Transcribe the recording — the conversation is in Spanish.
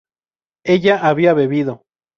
ella había bebido